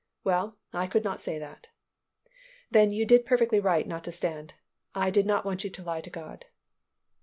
"Well, I could not say that." "Then you did perfectly right not to stand. I did not want you to lie to God."